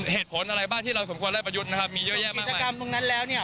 เหตุผลอะไรบ้างที่เราสมควรได้ประยุทธ์นะครับมีเยอะแยะกิจกรรมตรงนั้นแล้วเนี่ย